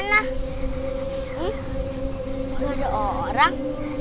nggak ada orang